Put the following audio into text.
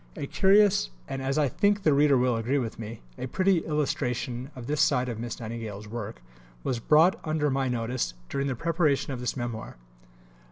A curious and, as I think the reader will agree with me, a pretty illustration of this side of Miss Nightingale's work, was brought under my notice during the preparation of this Memoir.